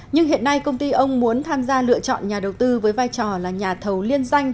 nhưng hiện nay công ty ông muốn tham gia lựa chọn nhà đầu tư với vai trò là nhà thầu liên danh